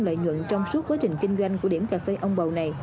năm mươi lợi nhuận trong suốt quá trình kinh doanh của điểm cà phê ông bầu này